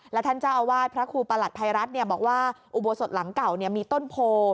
และท่านเจ้าอาวาสพระครูประหลัดภัยรัฐบอกว่าอุโบสถหลังเก่ามีต้นโพ